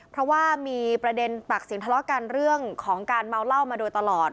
เพราะว่ามีประเด็นปากเสียงทะเลาะกันเรื่องของการเมาเหล้ามาโดยตลอด